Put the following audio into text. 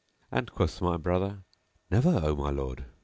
and quoth my brother, "Never, O my lord!"